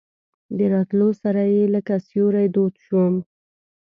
د راتلو سره یې لکه سیوری دود شم.